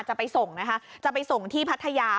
จะไปส่งจะไปส่งที่ภัทยา